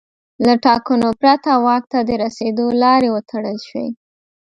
له ټاکنو پرته واک ته د رسېدو لارې وتړل شوې.